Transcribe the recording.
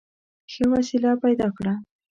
ښه وسیله پیدا کړه.